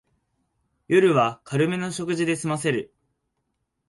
夜は軽めの食事ですませる